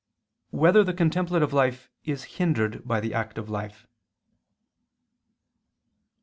3] Whether the Contemplative Life Is Hindered by the Active Life?